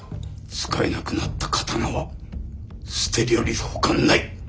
使えなくなった刀は捨てるよりほかない！